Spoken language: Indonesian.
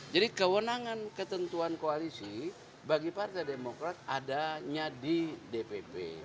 jadi kewenangan ketentuan koalisi bagi partai demokrat adanya di dpp